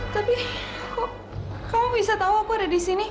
tapi kamu bisa tahu aku ada di sini